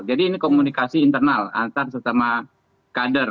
jadi ini komunikasi internal antar sesama kader